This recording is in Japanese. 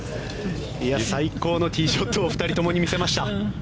最高のティーショットを２人ともに見せました。